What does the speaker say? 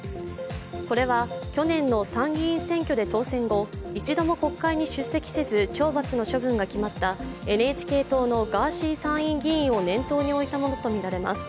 これは去年の参議院選挙で当選後一度も国会に出席せず懲罰の処分が決まったＮＨＫ党のガーシー参院議員を念頭に置いたものとみられます。